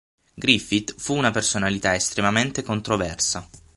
Griffith fu una personalità estremamente controversa.